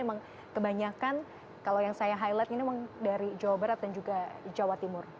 memang kebanyakan kalau yang saya highlight ini memang dari jawa barat dan juga jawa timur